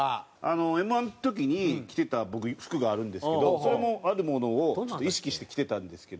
Ｍ−１の時に着てた僕服があるんですけどそれもあるものを意識して着てたんですけど。